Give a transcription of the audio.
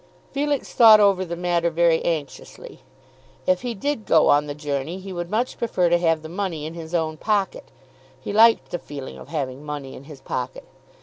Felix thought over the matter very anxiously. If he did go on the journey he would much prefer to have the money in his own pocket. He liked the feeling of having money in his pocket.